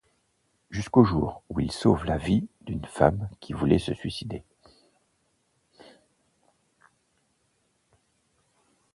Jusqu'au jour où il sauve la vie d'une femme qui voulait se suicider.